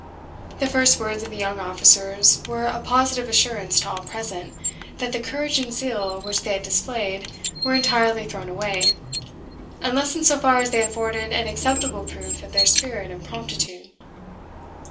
The first words of the young officers were a positive assurance to all present, that the courage and zeal which they had displayed were entirely thrown away, unless in so far as they afforded an acceptable proof of their spirit and promptitude.